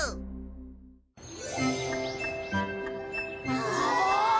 うわ！